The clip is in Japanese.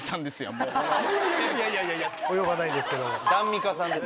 いやいやいやいやいや及ばないですけども。